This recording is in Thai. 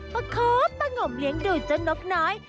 ปะโคบปะง่มเลี้ยงดูดเจ้านกน้อย